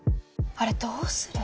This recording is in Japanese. あれどーする？